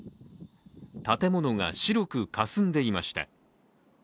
建物が白くかすんでいました。